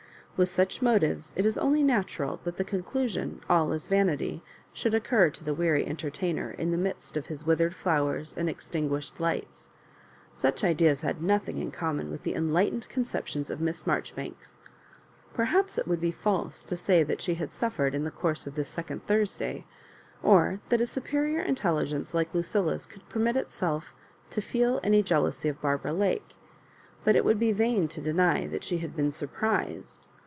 With such motives it is only natural that the conclusion, " All is vanity," should occur to the weary en tertainer in the midst of his withered flowers and extinguished lights. Such ideas had nothing In common with the enlightened conceptions of Miss Marjoribanks. Perhaps it would be false to say that she had suffered in the course of this second Thursday, or that a superior intel Iig; enoe like LugUl^'c^ Qould permit i^elf (o fe^l any jealousy of Barbara Lake ; but it would be vain to deny that she had been surprised.